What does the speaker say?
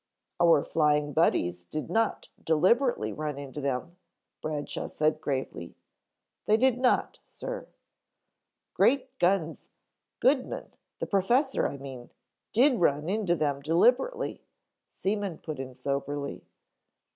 "Our Flying Buddies did not deliberately run into them," Bradshaw said gravely. "They did not, Sir." "Great guns, Goodman, the professor I mean, did run into them deliberately " Seaman put in soberly.